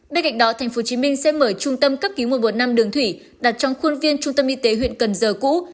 bên cạnh đó tp hcm sẽ mở trung tâm cấp cứu một trăm một mươi năm đường thủy đặt trong khuôn viên trung tâm y tế huyện cần giờ cũ